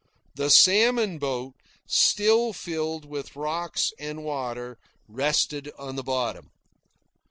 The salmon boat, still filled with rocks and water, rested on the bottom.